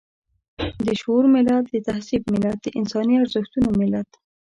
د شعور ملت، د تهذيب ملت، د انساني ارزښتونو ملت.